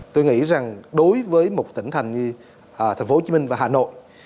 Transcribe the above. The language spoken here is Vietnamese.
tôi nghĩ rằng đối với một tỉnh thành như thành phố hồ chí minh và hà nội